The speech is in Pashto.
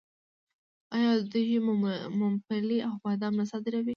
آیا دوی ممپلی او بادام نه صادروي؟